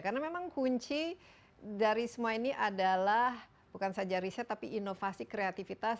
karena memang kunci dari semua ini adalah bukan saja riset tapi inovasi kreativitas